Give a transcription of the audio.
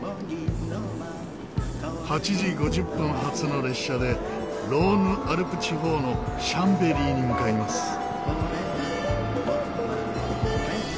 ８時５０分発の列車でローヌ・アルプ地方のシャンベリーに向かいます。